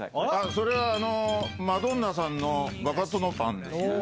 それは、マドンナさんのバカ殿パンです。